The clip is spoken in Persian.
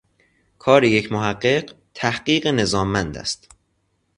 کار یک محقق، تحقیق نظاممند است